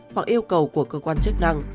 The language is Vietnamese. hoặc yêu cầu của cơ quan chức năng